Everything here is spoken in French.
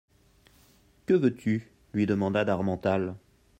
Que veux-tu ? lui demanda d'Harmental.